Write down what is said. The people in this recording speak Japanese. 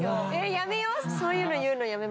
やめよう。